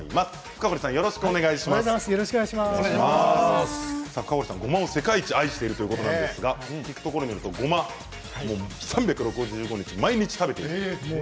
深堀さんは、ごまを世界一愛しているということなんですが聞くところによると３６５日毎日食べていると。